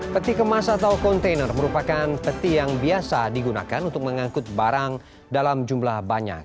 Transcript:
peti kemas atau kontainer merupakan peti yang biasa digunakan untuk mengangkut barang dalam jumlah banyak